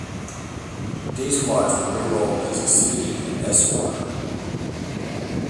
D Squadron re-roled as a C and S Squadron.